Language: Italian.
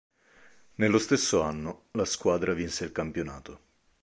Nello stesso anno, la squadra vinse il campionato.